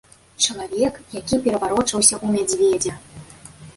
Чалавек, які пераварочваўся ў мядзведзя.